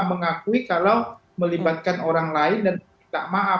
mengakui kalau melibatkan orang lain dan minta maaf